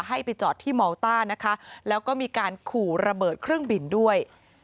ให้ไปจอดที่เมาต้านะคะแล้วก็มีการขู่ระเบิดเครื่องบินด้วย